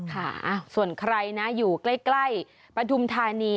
ค่ะส่วนใครนะอยู่ใกล้ปฐุมธานี